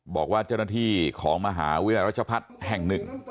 บอกว่าเจ้าหน้าที่ของมหาวิทยารัชพัฒน์แห่งหนึ่ง